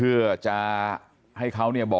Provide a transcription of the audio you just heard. คือผู้ตายคือวู้ไม่ได้ยิน